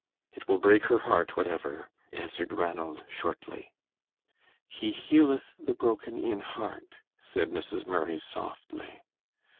"It will break her heart, whatever," answered Ranald, shortly. "He healeth the broken in heart," said Mrs. Murray, softly.